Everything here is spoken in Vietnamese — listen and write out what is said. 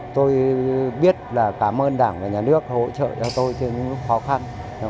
tôi biết là cảm ơn đảng và nhà nước hỗ trợ cho tôi trên những khó khăn